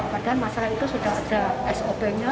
padahal masalah itu sudah ada sop nya